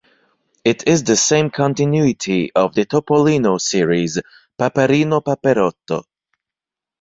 It is the same continuity of the Topolino series, Paperino Paperotto.